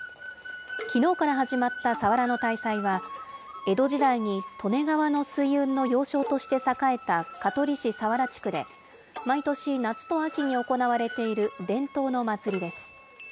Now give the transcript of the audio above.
きのうから始まった佐原の大祭は、江戸時代に利根川の水運の要衝として栄えた香取市佐原地区で、毎年、夏と秋に行われている伝統の祭りです。